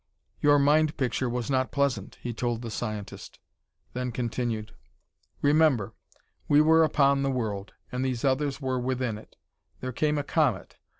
"Your mind picture was not pleasant," he told the scientist; then continued: "Remember, we were upon the world, and these others were within it. There came a comet.